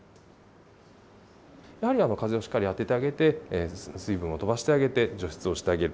やはり風をしっかり当ててあげて、水分をしっかり飛ばしてあげて、除湿をしてあげる。